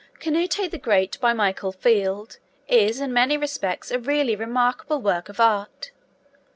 Canute The Great, by Michael Field, is in many respects a really remarkable work of art.